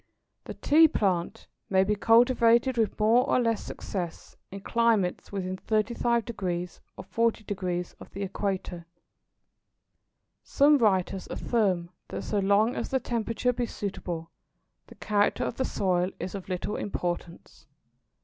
The Tea plant may be cultivated with more or less success in climates within 35° or 40° of the Equator. Some writers affirm that so long as the temperature be suitable, the character of the soil is of little importance.